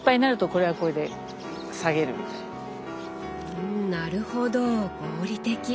うんなるほど合理的。